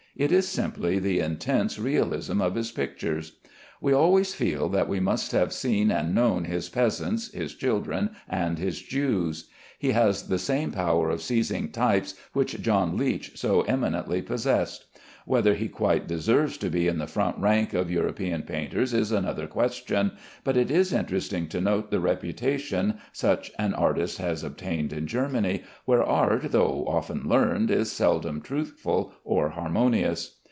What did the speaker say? It is simply the intense realism of his figures. We always feel that we must have seen and known his peasants, his children, and his Jews. He has the same power of seizing types which John Leech so eminently possessed. Whether he quite deserves to be in the front rank of European painters is another question, but it is interesting to note the reputation such an artist has obtained in Germany, where art, though often learned, is seldom truthful or harmonious.